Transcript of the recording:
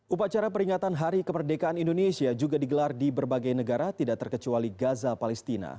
upacara peringatan hari kemerdekaan indonesia juga digelar di berbagai negara tidak terkecuali gaza palestina